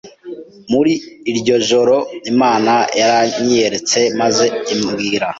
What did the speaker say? Muri iryo joro Imana yaranyiyeretse maze imbwira